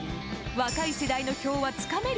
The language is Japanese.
若い世代の票はつかめる？